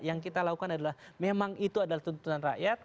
yang kita lakukan adalah memang itu adalah tuntutan rakyat